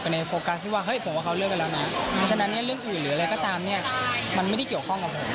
พีชเป็นไฟล์แล้วผ่านดีมากอ่ะ